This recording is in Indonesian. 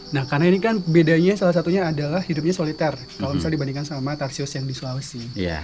nah karena ini kan bedanya salah satunya adalah hidupnya soliter kalau misalnya dibandingkan sama tarsius yang di sulawesi